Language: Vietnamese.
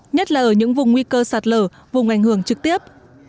nhất là ở những vùng nguy cơ sạt lở vùng ảnh hưởng trực tiếp